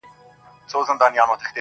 ژمی د خوار او غریب زیان دئ -